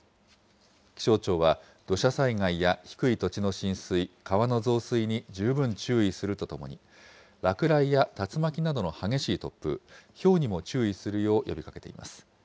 気象庁は土砂災害や低い土地の浸水、川の増水に十分注意するとともに、落雷や竜巻などの激しい突風、ひょうにも注意するよう呼びかけています。